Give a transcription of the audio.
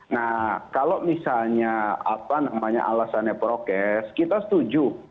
nah kalau misalnya apa namanya alasannya prokes kita setuju